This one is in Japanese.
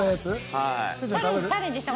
はい。